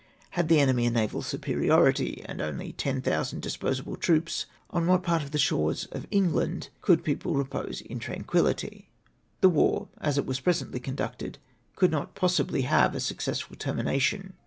Had the enemy a naval superiority, and only 10,000 dispos able troops, on wdiat part of the shores of England could people repose in tranquillity ?" The war as at present conducted could not possibly have a successful termination.